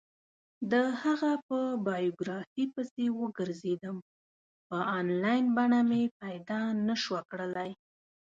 د هغه په بایوګرافي پسې وگرځېدم، په انلاین بڼه مې پیدا نه شوه کړلی.